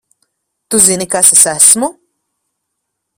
Tu zini, kas es esmu?